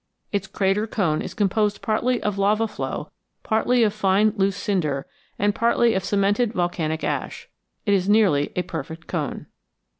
Its crater cone is composed partly of lava flow, partly of fine loose cinder, and partly of cemented volcanic ash. It is nearly a perfect cone.